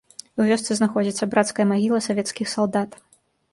У вёсцы знаходзіцца брацкая магіла савецкіх салдат.